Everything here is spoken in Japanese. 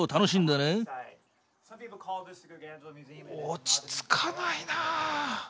落ち着かないな。